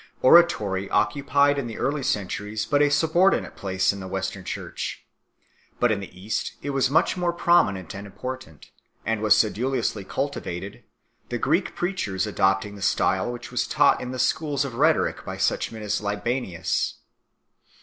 Oratory occupied in the early centuries but a subor dinate place in the Western Church, but in the East it was much more prominent and important, and was sedulously cultivated, the Greek preachers adopting the style which was taught in the schools of rhetoric by such men as Libanius.